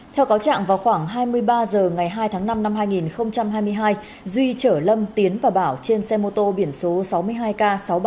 theo cáo trạng vào khoảng hai mươi ba giờ ngày hai tháng năm năm hai nghìn hai mươi hai duy chở lâm tiến và bảo trên xe mô tô biển số sáu mươi hai k sáu nghìn ba trăm sáu mươi hai